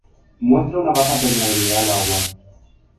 Muestran una baja permeabilidad al agua.